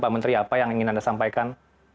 pak menteri apa yang ingin anda sampaikan